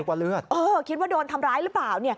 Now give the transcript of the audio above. กว่าเลือดคิดว่าโดนทำร้ายหรือเปล่า